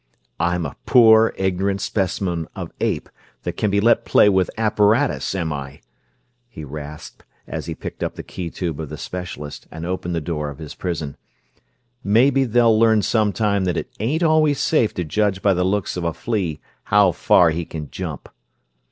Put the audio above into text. "I am a poor, ignorant specimen of ape, that can be let play with apparatus, am I?" he rasped, as he picked up the key tube of the specialist and opened the door of his prison. "Maybe they'll learn sometime that it ain't always safe to judge by the looks of a flea how far he can jump!"